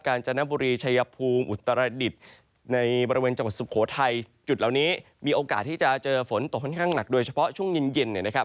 จนบุรีชายภูมิอุตรดิษฐ์ในบริเวณจังหวัดสุโขทัยจุดเหล่านี้มีโอกาสที่จะเจอฝนตกค่อนข้างหนักโดยเฉพาะช่วงเย็นเย็นเนี่ยนะครับ